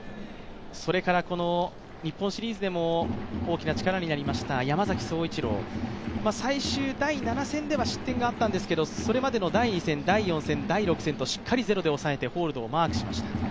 それから日本シリーズでも大きな力になりました山崎颯一郎、最終第７戦では失点があったんですけどそれまでの第２、４、６戦ではしっかりと０でおさえてホールドをマークしました。